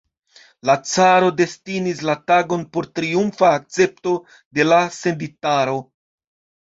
La caro destinis la tagon por triumfa akcepto de la senditaro.